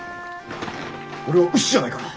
俺は牛じゃないから。